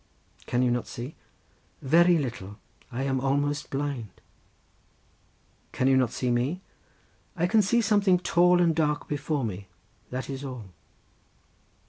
"Can you not see?" "Very little. I am almost blind." "Can you not see me?" "I can see something tall and dark before me; that is all."